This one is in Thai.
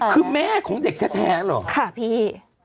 คือแม่ของเด็กแท้เหรอค่ะพี่